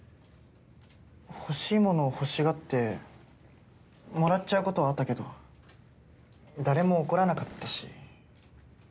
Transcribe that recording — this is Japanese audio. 欲しいものを欲しがってもらっちゃうことはあったけど誰も怒らなかったし